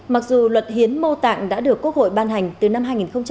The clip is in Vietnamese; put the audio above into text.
mặc dù luật hiến mô tạng đã được quốc hội ban hành từ năm hai nghìn sáu